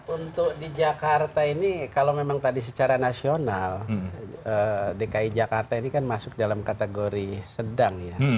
untuk di jakarta ini kalau memang tadi secara nasional dki jakarta ini kan masuk dalam kategori sedang ya